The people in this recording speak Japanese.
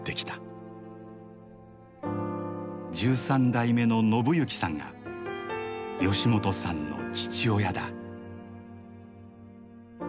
１３代目の信幸さんが吉本さんの父親だ。